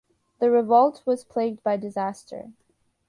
The revolt was plagued by disaster.